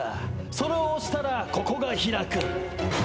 それを押したらここが開く。